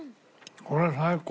これ最高！